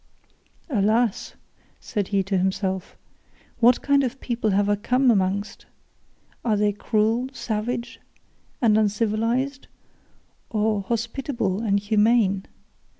"Alas," said he to himself, "what kind of people have I come amongst? Are they cruel, savage, and uncivilised, or hospitable and humane?